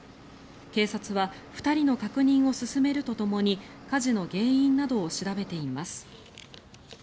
警察は２人の確認を進めるとともに火事の原因などを調べています。